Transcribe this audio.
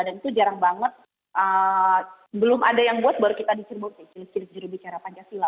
dan itu jarang banget belum ada yang buat baru kita diceritakan cilik cilik jurubicara pancasila